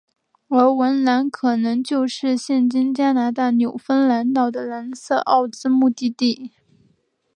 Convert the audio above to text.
而文兰可能就是现今加拿大纽芬兰岛的兰塞奥兹牧草地。